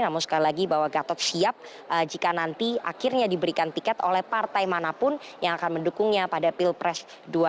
namun sekali lagi bahwa gatot siap jika nanti akhirnya diberikan tiket oleh partai manapun yang akan mendukungnya pada pilpres dua ribu sembilan belas